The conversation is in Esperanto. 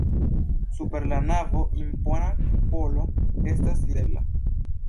Super la navo impona kupolo estas videbla.